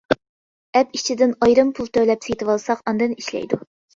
ئەپ ئىچىدىن ئايرىم پۇل تۆلەپ سېتىۋالساق ئاندىن ئىشلەيدۇ.